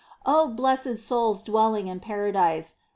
2. O blessed souls dwelling in paradise